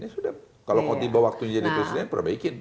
ya sudah kalau tiba tiba waktu jadi presiden perbaikin